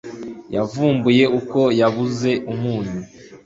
Yavumbuye ko yabuze umunyu